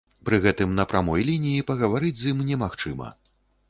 Пры гэтым на прамой лініі пагаварыць з ім немагчыма.